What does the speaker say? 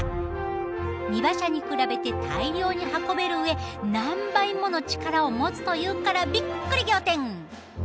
荷馬車に比べて大量に運べるうえ何倍もの力を持つというからびっくり仰天！